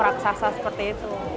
raksasa seperti itu